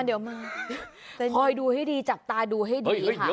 เดี๋ยวมาคอยดูให้ดีจับตาดูให้ดีค่ะ